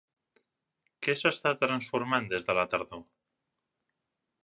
Què s'està transformant des de la tardor?